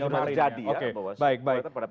yang sudah terjadi ya